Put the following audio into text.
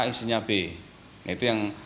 isinya b itu yang